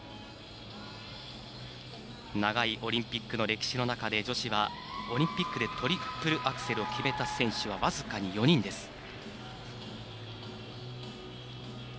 長いオリンピックの歴史の中で女子はオリンピックでトリプルアクセルを決めた選手は僅かに４人です。